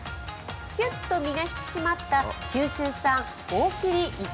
キュッと身が引き締まった九州産大切り活〆